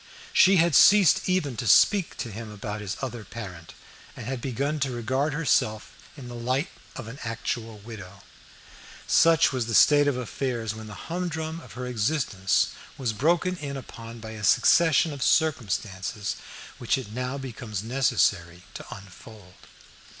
She had ceased even to speak to him about his other parent, and had begun to regard herself in the light of an actual widow. Such was the state of affairs when the humdrum of her existence was broken in upon by a succession of circumstances which it now becomes necessary to unfold.